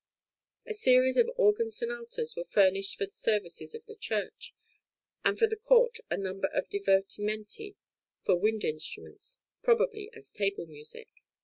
A series of organ sonatas were furnished for the services of the church, and for the court a number of divertimenti for wind instruments, probably as table music.